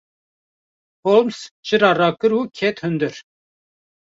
Holmes çira rakir û ket hundir.